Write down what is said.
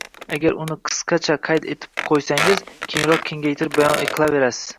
Agar uni qisqacha qayd etib qo‘ysangiz, keyinroq kengaytirib bayon qilaverasiz.